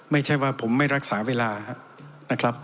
ไม่ใช่ว่าผมไม่รักษาเวลานะครับ